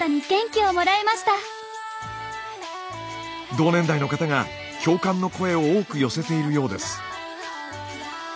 同年代の方が共感の声を多く寄せているようです。